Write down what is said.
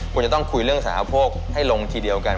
คุณจะต้องคุยเรื่องสารโภคให้ลงทีเดียวกัน